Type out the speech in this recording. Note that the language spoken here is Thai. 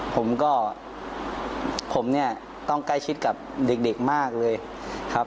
ผมก็ผมเนี่ยต้องใกล้ชิดกับเด็กมากเลยครับ